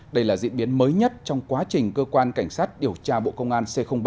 đây là diễn biến mới nhất trong quá trình cơ quan cảnh sát điều tra bộ công an c ba